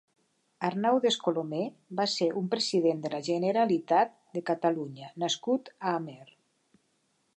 Arnau Descolomer va ser un president de la Generalitat de Catalunya nascut a Amer.